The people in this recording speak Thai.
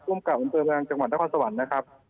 ร่วมกับวงเตอร์เมืองจังหวัดทะคอนสวรรค์นะครับ